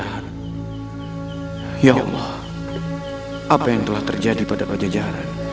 kita akan pemerintah